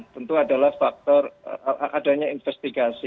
tentu adalah faktor adanya investigasi